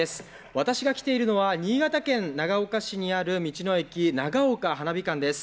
私が来ているのは新潟県長岡市にある道の駅ながおか花火館です。